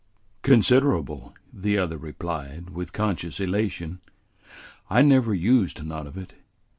"Considerable," the other replied, with conscious elation. "I never used none of it.